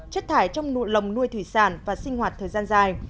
chất thải trong nụ lồng nuôi thủy sản và sinh hoạt thời gian dài